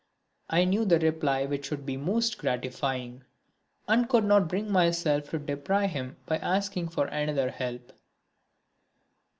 I knew the reply which would be most gratifying, and could not bring myself to deprive him by asking for another help.